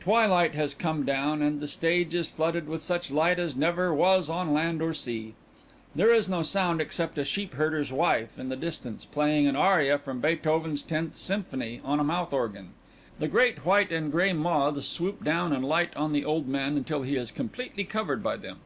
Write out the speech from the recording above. _) _Twilight has come down and the stage is flooded with such light as never was on land or sea. There is no sound except a sheep herder's wife in the distance playing an aria from Beethoven's Tenth Symphony, on a mouth organ. The great white and gray moths swoop down and light on the old man until he is completely covered by them.